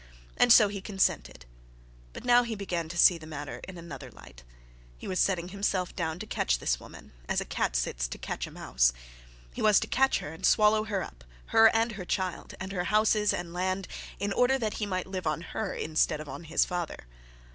And so he consented. But now he began to see the matter in another light. He was setting himself down to catch a woman, as a cat sits to catch a mouse. He was to catch her, and swallow her up, her and her child, and her houses and land, in order that he might live on her instead of on his father.